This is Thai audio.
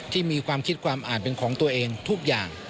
มีความคิดความอ่านเป็นของตัวเองทุกอย่าง